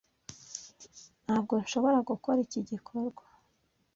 Ntabwo nshobora gukora iki gikorwa.